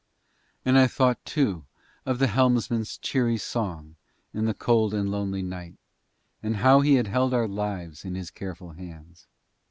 And I thought too of the helmsman's cheery song in the cold and lonely night, and how he had held our lives in his careful hands.